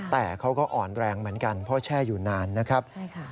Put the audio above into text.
แต่เขาก็อ่อนแรงเหมือนกันเพราะแช่อยู่นานนะครับใช่ค่ะ